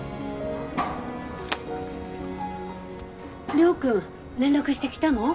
亮君連絡してきたの？